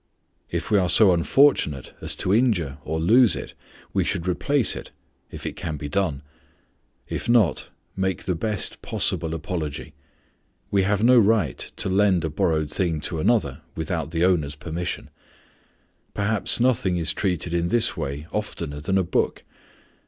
If we are so unfortunate as to injure or lose it, we should replace it, if it can be done; if not, make the best possible apology. We have no right to lend a borrowed thing to an other without the owner's permission. Perhaps nothing is treated in this way oftener than a book.